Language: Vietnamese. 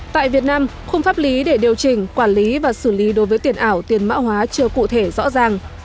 tại việt nam khung pháp lý để điều chỉnh quản lý và xử lý đối với tiền ảo tiền mã hóa chưa cụ thể rõ ràng